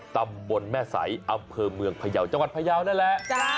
ตำบลแม่ใสอำเภอเมืองพยาวจังหวัดพยาวนั่นแหละ